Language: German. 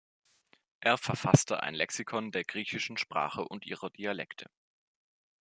Er verfasste ein Lexikon der griechischen Sprache und ihrer Dialekte.